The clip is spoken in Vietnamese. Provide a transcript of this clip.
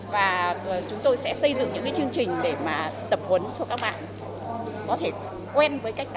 và chúng tôi sẽ xây dựng những chương trình để mà tập huấn cho các bạn có thể quen với cách đó